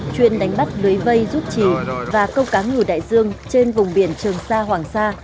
chuyên đánh bắt lưới vây rút trì và câu cá ngừ đại dương trên vùng biển trường sa hoàng sa